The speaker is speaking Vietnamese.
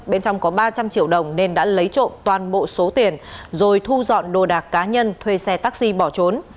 bên trong có ba trăm linh triệu đồng nên đã lấy trộm toàn bộ số tiền rồi thu dọn đồ đạc cá nhân thuê xe taxi bỏ trốn